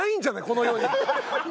この世に。